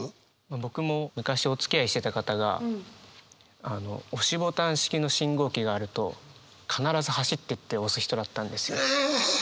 僕も昔おつきあいしてた方が押しボタン式の信号機があると必ず走ってって押す人だったんですよ。え！